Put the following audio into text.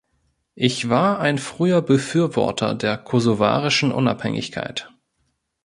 Ich war ein früher Befürworter der kosovarischen Unabhängigkeit.